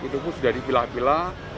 itu sudah dipilah pilah